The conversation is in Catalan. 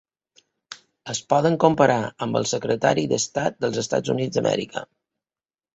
Es poden comparar amb els secretaris d'estat dels Estats Units d'Amèrica.